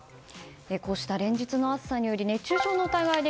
こうした連日の暑さにより熱中症の疑いで